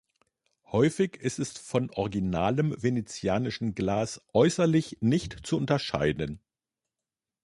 Häufig ist es von originalem venezianischen Glas äußerlich nicht zu unterscheiden.